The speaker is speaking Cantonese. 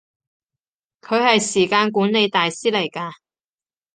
佢係時間管理大師嚟㗎